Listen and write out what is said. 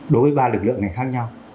đối với ba lực lượng khác nhau